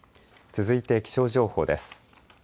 続いて気象情報です。